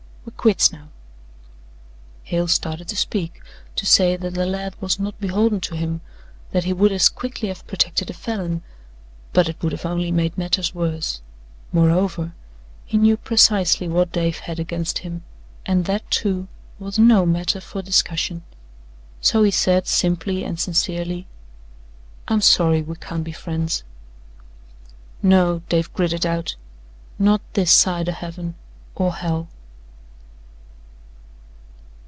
We're quits now." Hale started to speak to say that the lad was not beholden to him that he would as quickly have protected a Falin, but it would have only made matters worse. Moreover, he knew precisely what Dave had against him, and that, too, was no matter for discussion. So he said simply and sincerely: "I'm sorry we can't be friends." "No," Dave gritted out, "not this side o' Heaven or Hell."